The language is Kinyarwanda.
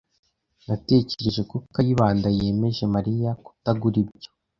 Natekereje ko Kayibanda yemeje Mariya kutagura ibyo.